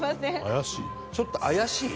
ちょっと怪しい？